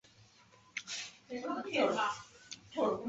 不论他做的是什么工作